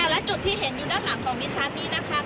และจุดที่เห็นอยู่ด้านหลังของดิฉันนี่นะคะ